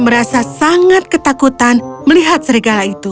merasa sangat ketakutan melihat serigala itu